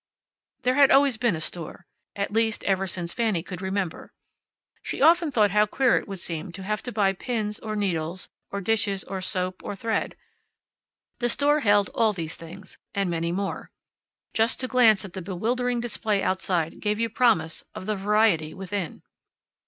There had always been a store at least, ever since Fanny could remember. She often thought how queer it would seem to have to buy pins, or needles, or dishes, or soap, or thread. The store held all these things, and many more. Just to glance at the bewildering display outside gave you promise of the variety within.